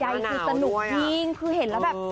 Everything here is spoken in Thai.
คือสนุกยิ่งคือเห็นแล้วแบบ